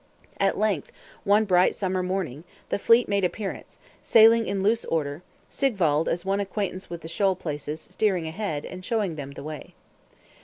At length, one bright summer morning, the fleet made appearance, sailing in loose order, Sigwald, as one acquainted with the shoal places, steering ahead, and showing them the way.